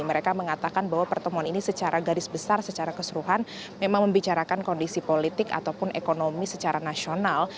mereka mengatakan bahwa pertemuan ini secara garis besar secara keseluruhan memang membicarakan kondisi politik ataupun ekonomi secara nasional